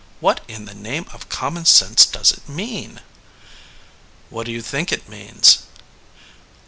What in the name of common sense does it mean ?" "What do you think it means?"